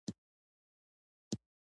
ما ورته وویل: نو بیا درځه، له دې ځایه ځو.